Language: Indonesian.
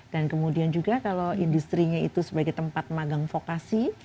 dan kemudian juga kalau industri itu sebagai tempat magang fokasi